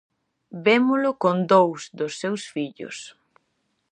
Vémolo con dous dos seus fillos.